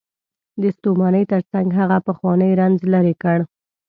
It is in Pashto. د ستومانۍ تر څنګ هغه پخوانی رنځ لرې کړ.